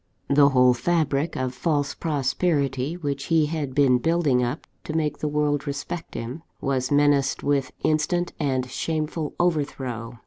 The whole fabric of false prosperity which he had been building up to make the world respect him, was menaced with instant and shameful overthrow.